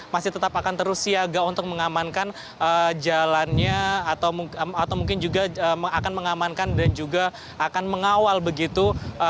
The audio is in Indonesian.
masih tetap akan terus siaga untuk mengamankan jalannya atau mungkin juga akan mengamankan dan juga akan mengawal begitu